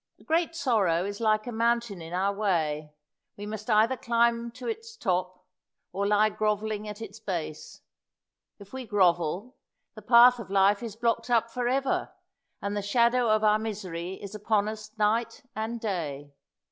A great sorrow is like a mountain in our way: we must either climb to its top, or lie grovelling at its base. If we grovel, the path of life is blocked up for ever, and the shadow of our misery is upon us night and day.